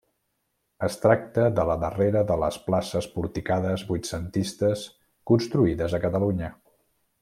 Es tracta de la darrera de les places porticades vuitcentistes construïdes a Catalunya.